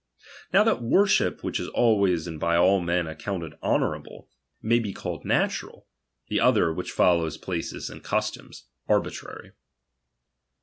Now that worship which is always and by all men accounted honourable, may be called natural: the other, which follows places and customs, arh\ trary.